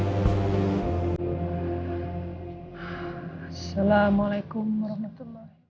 assalamualaikum warahmatullahi wabarakatuh